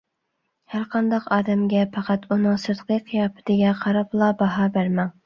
ھەر قانداق ئادەمگە پەقەت ئۇنىڭ سىرتقى قىياپىتىگە قاراپلا باھا بەرمەڭ.